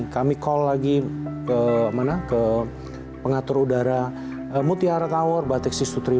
kami call lagi ke pengatur udara mutiara tower batik enam ribu dua ratus tiga puluh satu